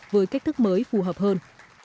với cách thức mới phù hợp hơn